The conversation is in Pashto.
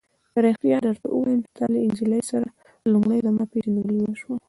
که رښتیا درته ووایم، ستا له نجلۍ سره لومړی زما پېژندګلوي وشوه.